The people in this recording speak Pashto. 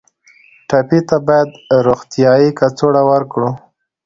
ټپي ته باید روغتیایي کڅوړه ورکړو.